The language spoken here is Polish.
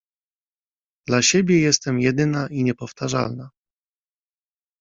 Dla siebie jestem jedyna i niepowtarzalna.